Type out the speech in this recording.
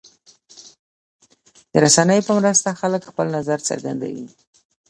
د رسنیو په مرسته خلک خپل نظر څرګندوي.